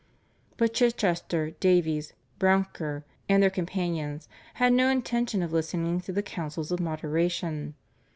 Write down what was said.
" But Chichester, Davies, Brouncker, and their companions had no intention of listening to the counsels of moderation.